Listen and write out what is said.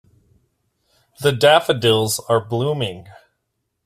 The daffodils are blooming.